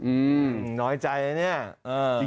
อืมน้อยใจนะเนี่ย